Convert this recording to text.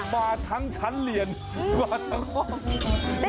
มาทั้งชั้นหลีกมาทั้งทั้งชั้นหลีก